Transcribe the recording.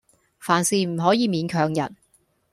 凡事唔可以勉強人